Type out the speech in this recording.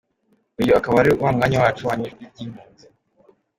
Uyu ukaba ari wa mwanya wacu, wanyu, ijwi ry’impunzi.